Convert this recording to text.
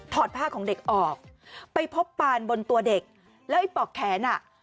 อดผ้าของเด็กออกไปพบปานบนตัวเด็กแล้วไอ้ปอกแขนอ่ะ